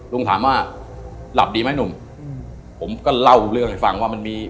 ลุงถามว่าหลับดีไหมหนุ่มผมก็เล่าเรื่องให้ฟังว่ามันมี